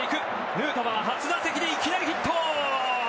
ヌートバー、初打席でいきなりヒット。